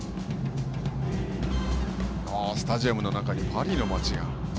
スタジアムの中にパリの街が。